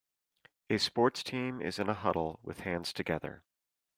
A sports team is in a huddle with hands together.